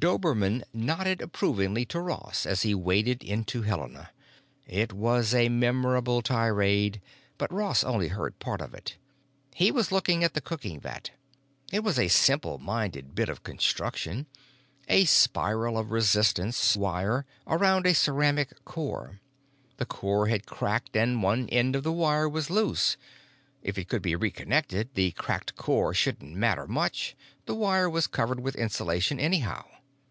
Dobermann nodded approvingly to Ross as he waded into Helena; it was a memorable tirade, but Ross heard only part of it. He was looking at the cooking vat; it was a simple minded bit of construction, a spiral of resistance wire around a ceramic core. The core had cracked and one end of the wire was loose; if it could be reconnected, the cracked core shouldn't matter much—the wire was covered with insulation anyhow.